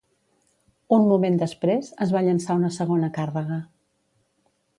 Un moment després, es va llençar una segona càrrega.